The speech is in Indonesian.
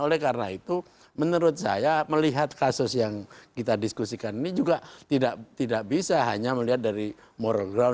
oleh karena itu menurut saya melihat kasus yang kita diskusikan ini juga tidak bisa hanya melihat dari moral ground